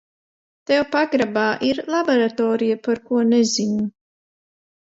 Tev pagrabā ir laboratorija, par ko nezinu?